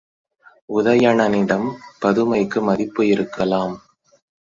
உதயணனிடம் பதுமைக்கு மதிப்பு இருக்கலாம்.